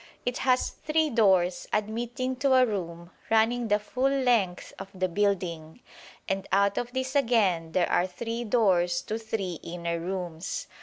It has three doors admitting to a room running the full length of the building; and out of this again there are three doors to three inner rooms.